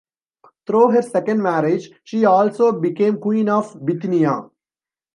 Through her second marriage, she also became Queen of Bithynia.